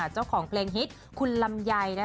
เจ้าของเพลงฮิตคุณลำไย